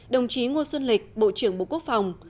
đồng chí ngô xuân lịch bộ trưởng bộ quốc phòng